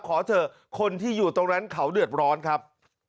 ขอเถอะคนที่อยู่ตรงนั้นเขาเดือดร้อนครับ